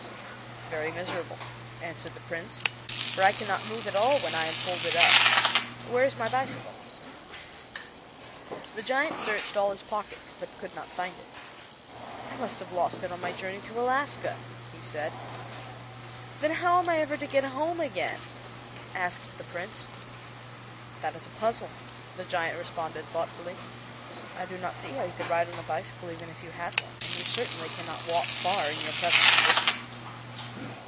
"Very miserable," answered the Prince, "for I can not move at all when I am folded up. Where is my bicycle?" The giant searched all his pockets, but could not find it. "I must have lost it on my journey to Alaska," he said. "Then how am I ever to get home again?" asked the Prince. "That is a puzzle," the giant responded, thoughtfully. "I do not see how you could ride on a bicycle even if you had one, and you certainly can not walk far in your present condition."